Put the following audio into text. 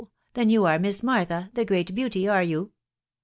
. then you are Miss Martha, the great beauty, mreyou?